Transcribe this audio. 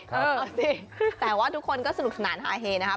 เอาสิแต่ว่าทุกคนก็สนุกสนานฮาเฮนะครับ